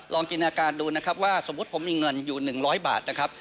จินอาการดูนะครับว่าสมมุติผมมีเงินอยู่๑๐๐บาทนะครับ